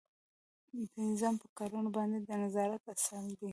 پنځم په کارونو باندې د نظارت اصل دی.